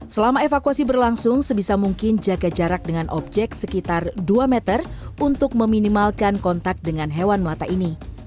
selama evakuasi berlangsung sebisa mungkin jaga jarak dengan objek sekitar dua meter untuk meminimalkan kontak dengan hewan melata ini